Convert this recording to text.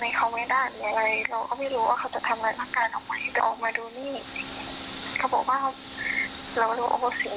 แสดงว่าถ้าเราไม่ทำเรากลัวเขาจะไปอับยาเราใช่ไหม